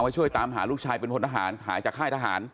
ช่วยตามหาลูกชายเป็นพลทหารหายจากค่ายทหาร